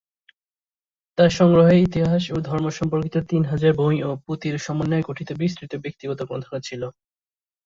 তার সংগ্রহে ইতিহাস ও ধর্ম সম্পর্কিত তিন হাজার বই ও পুঁথির সমন্বয়ে গঠিত বিস্তৃত ব্যক্তিগত গ্রন্থাগার ছিল।